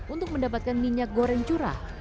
untuk mendapatkan minyak goreng curah